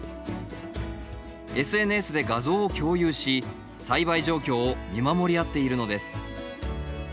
ＳＮＳで映像を共有し栽培状況を見守り合っているのです。